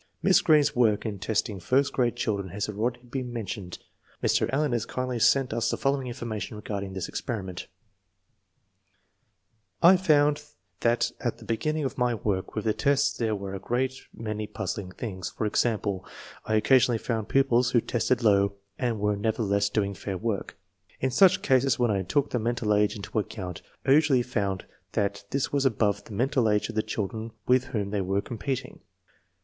Miss Greene's work in testing first grade chil dren has already been mentioned. 1 Mr. Allen has kindly sent us the following information regarding this experiment: I found that at the beginning of my work with the tests there were a great many puzzling things. For example, I occasionally found pupils who tested low and were never theless doing fair work. In such cases when I took the mental age into account I usually found that this was above the mental age of the children with whom they were com peting.